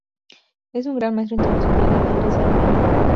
Es un Gran Maestro Internacional de ajedrez armenio.